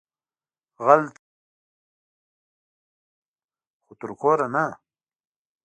غل تېښتوه خو تر کوره نه